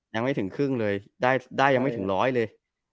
ยังไม่ถึงครึ่งเลยได้ยังไม่ถึงร้อยเลย